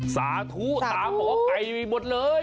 สาธุตายออกไปหมดเลย